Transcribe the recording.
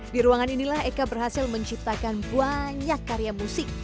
di ruangan inilah eka berhasil menciptakan banyak karya musik